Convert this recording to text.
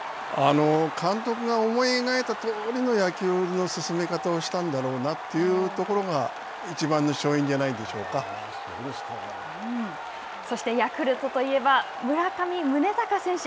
監督が思い描いたとおりの野球の進め方をしたんだろうなというところがいちばんの勝因じゃないそして、ヤクルトといえば村上宗隆選手。